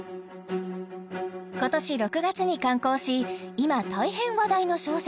今年６月に刊行し今大変話題の小説